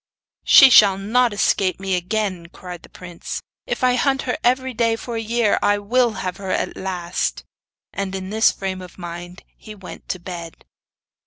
'She shall not escape me again,' cried the prince. 'If I hunt her every day for a year, I will have her at last.' And in this frame of mind he went to bed.